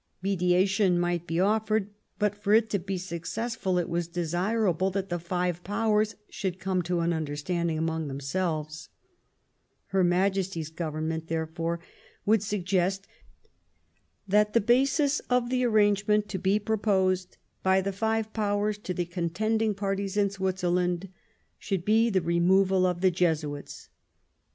Mediation might be offered, but for it to be success ful, it was desirable that the five Powers should come to an understanding among themselves : Her Majesty's Government, . therefore, would suggest that the basis of the arrangement to be proposed by the five Powers to the contending parties in Switzerland should be the re moval of the Jesuits.